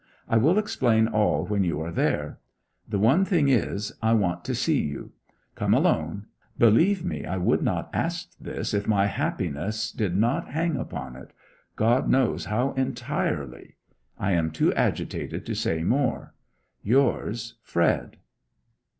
I will explain all when you are there. The one thing is, I want to see you. Come alone. Believe me, I would not ask this if my happiness did not hang upon it God knows how entirely! I am too agitated to say more Yours. FRED."